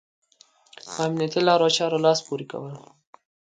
په امنيتي لارو چارو لاس پورې کول.